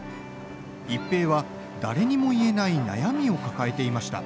一平は誰にも言えない悩みを抱えていました。